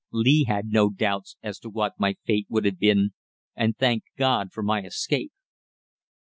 Lee had no doubts as to what my fate would have been, and thanked God for my escape.